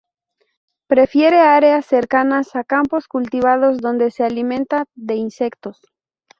Prefiere áreas cercanas a campos cultivados, donde se alimenta de insectos.